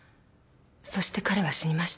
そして彼は死にました。